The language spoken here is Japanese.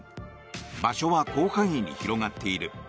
場所は広範囲に広がっている。